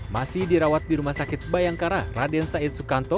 masih dirawat di rumah sakit bayangkara raden said sukanto